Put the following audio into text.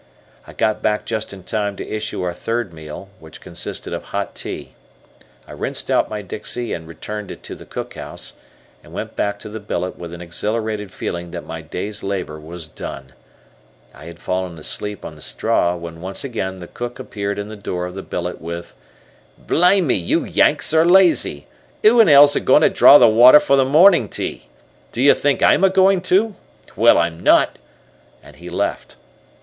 I got back just in time to issue our third meal, which consisted of hot tea, I rinsed out my dixie and returned it to the cookhouse, and went back to the billet with an exhilarated feeling that my day's labor was done. I had fallen asleep on the straw when once again the cook appeared in the door of the billet with: {Photo: Facsimilie of the "Green" Envelope.} "Blime me, you Yanks are lazy. Who in 'ell's a'goin' to draw the water for the mornin' tea? Do you think I'm a'goin' to? Well, I'm not," and he left.